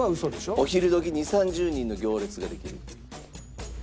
お昼時２０３０人の行列ができる。